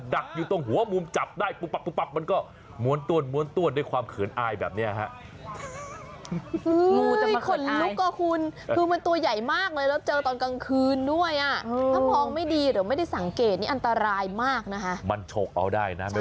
ดักอยู่ตรงหัวมุมการจับด้วยปุ๊บปรับปุ๊บปรับมันก็ม้วนต้วนโดยความเขนอายแบบนี้